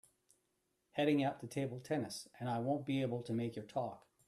Heading out to table tennis and I won’t be able to make your talk.